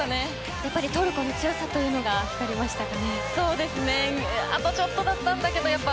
やっぱりトルコの強さがありましたか。